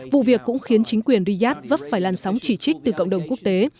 vụ việc cũng khiến chính quyền riyadh vấp phải lan sóng chỉ trích từ cộng đồng quốc tế